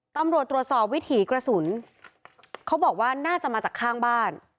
ตำรวจตรวจสอบวิถีกระสุนเขาบอกว่าน่าจะมาจากข้างบ้าน